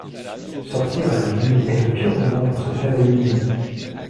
Sortir à la bulle est le pire moment pour se faire éliminer.